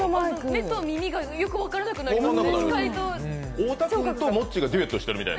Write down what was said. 目と耳がよく分からなくなりました。